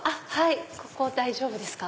ここ大丈夫ですか？